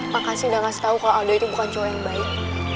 makasih udah ngasih tau kalau aldo itu bukan cowok yang baik